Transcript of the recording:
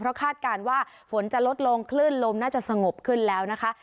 คาดการณ์ว่าฝนจะลดลงคลื่นลมน่าจะสงบขึ้นแล้วนะคะ